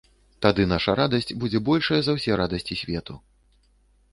Тады наша радасць будзе большая за ўсе радасці свету.